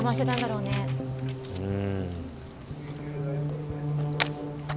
うん。